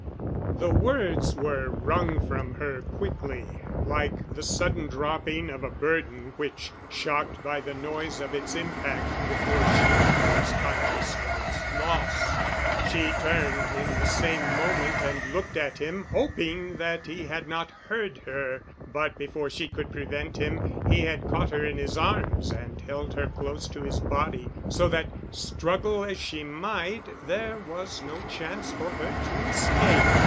The words were wrung from her quickly, like the sudden dropping of a burden which shocked by the noise of its impact before she was conscious of its loss. She turned in the same moment and looked at him, hoping that he had not heard her. But before she could prevent him he had caught her in his arms and held her close to his body, so that, struggle as she might, there was no chance for her to escape.